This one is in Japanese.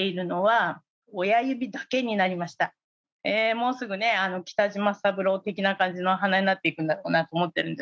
もうすぐね北島三郎的な感じの鼻になっていくんだろうなと思ってるんですけど。